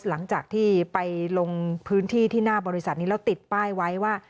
หลังจากที่ไปลงพื้นที่ที่หน้าบริษัทนี้แล้วติดป้ายไว้ว่า